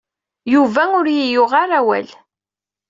Yuba ur iyi-yuɣ ara awal.